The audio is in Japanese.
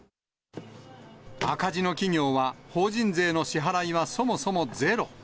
赤字の企業は、法人税の支払いはそもそもゼロ。